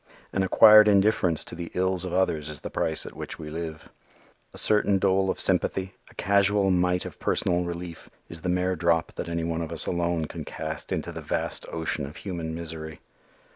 An acquired indifference to the ills of others is the price at which we live. A certain dole of sympathy, a casual mite of personal relief is the mere drop that any one of us alone can cast into the vast ocean of human misery.